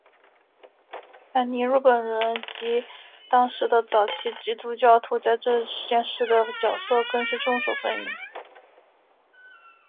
而尼禄本人及当时的早期基督教徒在这件事的角色更是众说纷纭。